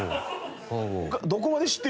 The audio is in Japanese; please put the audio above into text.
どこまで知ってる？